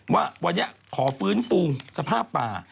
ว่าวันนี้ขอฟื้นฟูสภาพป่า